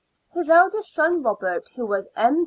His eldest son, Robert, who was M.